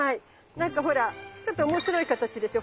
なんかほらちょっと面白い形でしょ。